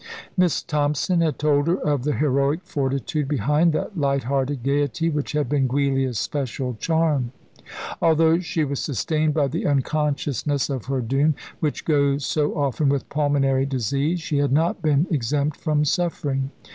Miss Thompson had told her of the heroic fortitude behind that light hearted gaiety which had been Giulia's special charm. Although she was sustained by the unconsciousness of her doom, which goes so often with pulmonary disease, she had not been exempt from suffering.